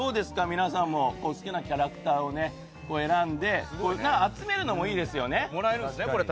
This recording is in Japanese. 皆さんも好きなキャラクターを選んで集めるのもいいですよね。